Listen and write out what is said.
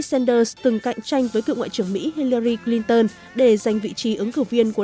sanders từng cạnh tranh với cựu ngoại trưởng mỹ hileryr clinton để giành vị trí ứng cử viên của